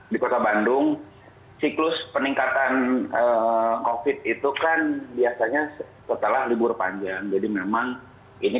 di kota bandung siklus peningkatan kofit itu kan biasanya setelah libur panjang jadi memang ini